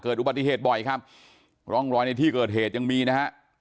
อุบัติเหตุบ่อยครับร่องรอยในที่เกิดเหตุยังมีนะฮะ